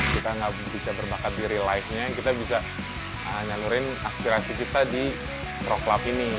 kita nggak bisa berbakat di relief nya kita bisa nyalurin aspirasi kita di pro club ini